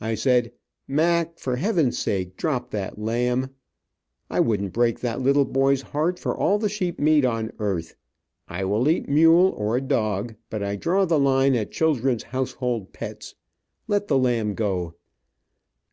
I said, "Mac, for heaven's sake, drop that lamb. I wouldn't break that little boy's heart for all the sheep meat on earth. I will eat mule, or dog, but I draw the line at children's household pets. Let the lamb go."